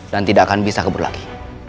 dan tidak akan bisa kembali lagi